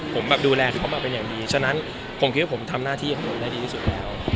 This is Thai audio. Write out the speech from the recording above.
ผมแบบดูแลเขามาเป็นอย่างดีฉะนั้นผมคิดว่าผมทำหน้าที่ของผมได้ดีที่สุดแล้ว